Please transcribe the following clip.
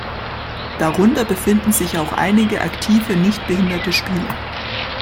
Darunter befinden sich auch einige aktive, nichtbehinderte Spieler.